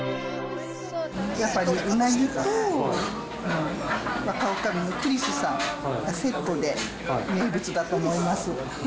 やっぱりうなぎと若おかみのクリスさんがセットで名物だと思います。